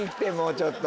ちょっと。